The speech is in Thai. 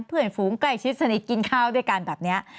เพื่อนฝูงใกล้ชิดสนิทกินข้าวด้วยกันแบบนี้